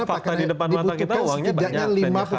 fakta di depan mata kita uangnya banyak